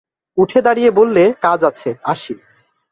উঠে দাঁড়িয়ে বললে, কাজ আছে, আসি।